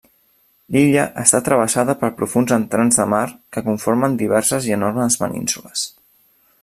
L'illa està travessada per profunds entrants de mar que conformen diverses i enormes penínsules.